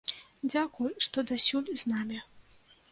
Дзякуй, што дасюль з намі!